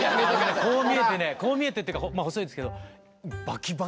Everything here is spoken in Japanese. こう見えてねこう見えてっていうかまあ細いですけどバキバキ！